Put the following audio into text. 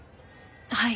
はい。